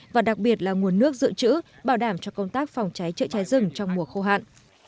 và đặc biệt là nguồn nước dự trữ bảo đảm cho công tác phòng cháy chữa cháy rừng trong mùa khô hạn